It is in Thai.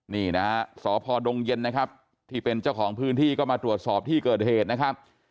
นี่นะฮะสพดงเย็นนะครับที่เป็นเจ้าของพื้นที่ก็มาตรวจสอบที่เกิดเหตุนะครับ